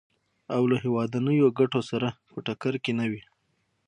او له هېوادنیو ګټو سره په ټکر کې نه وي.